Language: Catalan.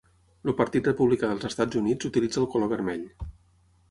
El Partit Republicà dels Estats Units utilitza el color vermell.